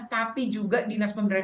tapi juga dinas pendidikan